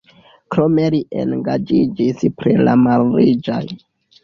Krome li engaĝiĝis pri la malriĝaj.